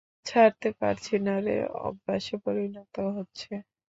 ছাড়তে পারছি না রে, অভ্যাসে পরিণত হচ্ছে।